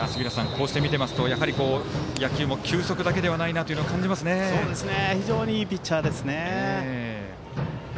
こうしてみてみますと野球も球速だけではないと非常にいいピッチャーですね。